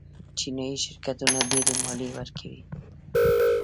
چینايي شرکتونه ډېرې مالیې ورکوي.